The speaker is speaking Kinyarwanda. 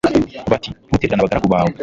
bati ntutererane abagaragu bawe